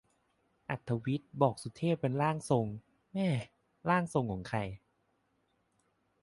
อรรถวิทย์บอกสุเทพเป็น "ร่างทรง" แหม่ ร่างทรงของใคร